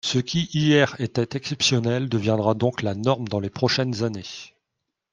Ce qui, hier, était exceptionnel deviendra donc la norme dans les prochaines années.